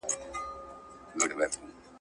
په ژړا ژړا یې وایستم له ښاره.